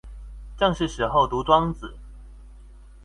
正是時候讀莊子